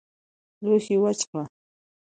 لوښي وچ کړئ